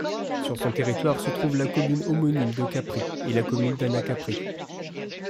Sur son territoire se trouvent la commune homonyme de Capri et la commune d'Anacapri.